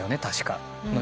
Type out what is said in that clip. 確か。